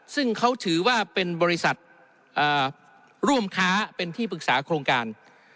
ซึ่งเขาถือว่าเป็นบริษัทร่วมค้าเป็นที่ปรึกษาโครงการ